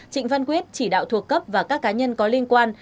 trịnh văn quyết chỉ đạo thuộc cấp và các cá nhân có liên quan